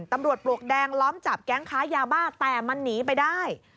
ปลวกแดงล้อมจับแก๊งค้ายาบ้าแต่มันหนีไปได้